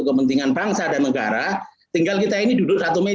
sebenarnya itu adalah timbul tenggelam dan penundaan pemilu